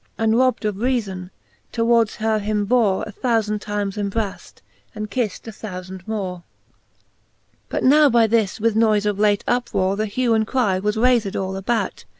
And robd of reafon, towards her him bore, A thoufand times embraft, and kift a thoufand more. XLvr. But now by this, with noife of late uprore,, The hue and cry was rayfed all about